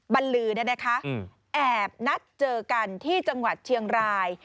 บรรลือแอบนัดเจอกันที่จังหวัดเชียงราย